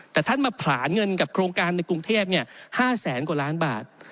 แต่ท่านมาผลาเงินกับโครงการในกรุงเทพ๕แสนกว่าล้านบาท